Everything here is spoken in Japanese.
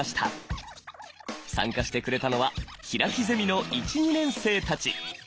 参加してくれたのは平木ゼミの１２年生たち。